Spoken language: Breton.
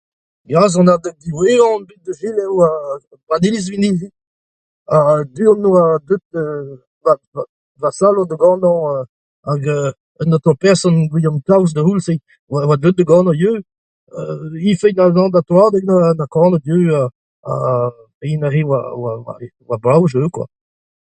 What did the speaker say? Ya, sonadeg diwezhañ on bet o selaou bet a oa 'barzh iliz ar Vinic'hi ha du-hont oa deuet Marthe Vassalo da ganañ hag euu an aotrou person Gwilhom Kaous da c'houlz-se oa deuet da ganañ ivez. Ifig ha Nanda Troadeg neuze o doa kanet ivez ha se neuze oa [oa] brav setu.